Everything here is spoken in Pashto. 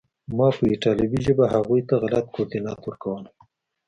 ما به په ایټالوي ژبه هغوی ته غلط کوردینات ورکول